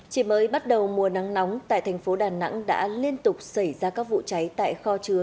chỉ mới bắt đầu mùa nắng nóng tại thành phố đà nẵng đã liên tục xảy ra các vụ cháy tại kho chứa